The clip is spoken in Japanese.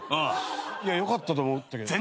よかったと思ったけど。